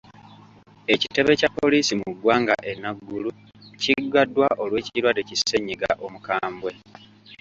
Ekitebe kya poliisi mu ggwanga e Naguru kiggaddwa olw’ekirwadde ki ssennyiga omukambwe.